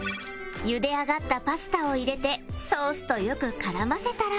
ゆで上がったパスタを入れてソースとよく絡ませたら